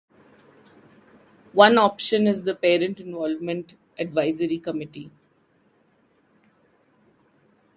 One option is the Parent Involvement Advisory Committee.